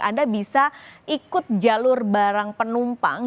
anda bisa ikut jalur barang penumpang